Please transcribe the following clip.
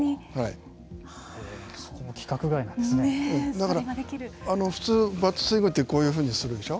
だから普通バットスイングってこういうふうにするでしょ？